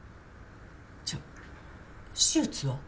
じゃあ手術は？